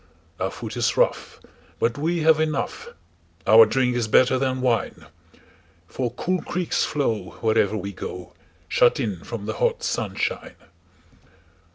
Our food is rough, but we have enough; Our drink is better than wine:For cool creeks flow wherever we go, Shut in from the hot sunshine.